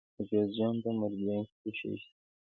د جوزجان په مردیان کې څه شی شته؟